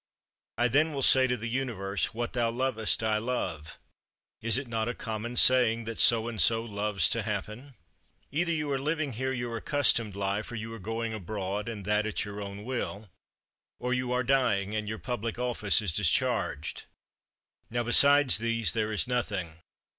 I then will say to the Universe: "What thou lovest I love." Is it not a common saying that, "so and so loves to happen?" 22. Either you are living here your accustomed life; or you are going abroad, and that at your own will: or you are dying, and your public office is discharged. Now, besides these there is nothing.